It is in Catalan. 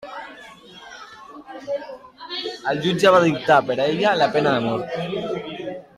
El Jutge va dictar per a ella la Pena de mort.